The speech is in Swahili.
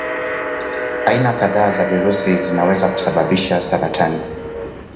Aina kadhaa za virusi zinaweza kusababisha saratani.